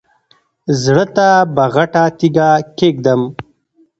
زړه ته به غټه تیګه کېږدم.